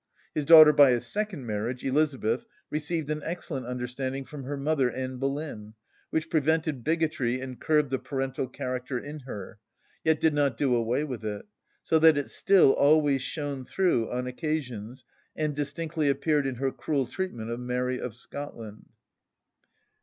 His daughter by his second marriage, Elizabeth, received an excellent understanding from her mother, Anne Boleyn, which prevented bigotry and curbed the parental character in her, yet did not do away with it; so that it still always shone through on occasions, and distinctly appeared in her cruel treatment of Mary of Scotland.